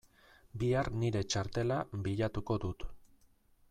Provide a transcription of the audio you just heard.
Bihar nire txartela bilatuko dut.